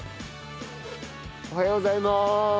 おはようございます！